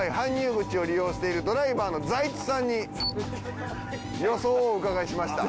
口を利用しているドライバーの財津さんに予想をお伺いしました。